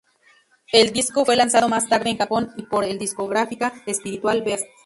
El disco fue lanzado más tarde en Japón y por el discográfica Spiritual Beast.